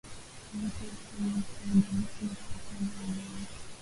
Maisha ya Sayyid Said alikuwa Sultani wa Omani